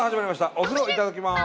「お風呂いただきます」。